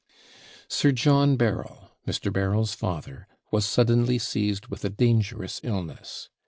Sir John Berryl, Mr. Berryl's father, was suddenly seized with a dangerous illness.